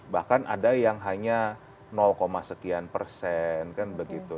bahkan ada yang hanya sekian persen kan begitu